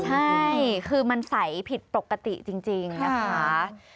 ใช่คือมันใสผิดปกติจริงนะคะ